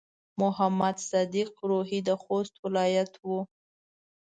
محمد صديق روهي د خوست ولايت و.